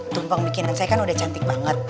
tumpeng bikinan saya kan udah cantik banget